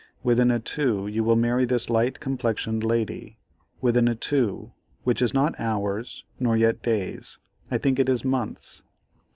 Within a 2 you will marry this light complexioned lady, within a 2, which is not hours, nor yet days, I think it is months.